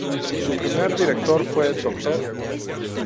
Su primer director fue Dr.